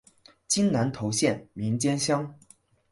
今南投县名间乡。